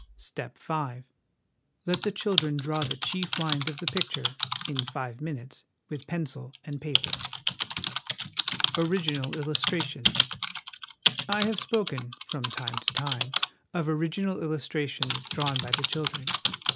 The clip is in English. " Step V. Let the children draw the chief lines of the picture, in five minutes, with pencil and paper." Original Illustrations. I have spoken, from time to time, of original illustrations drawn by the children.